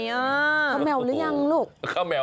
เข้าแมวหรือยังลูกเข้าแมว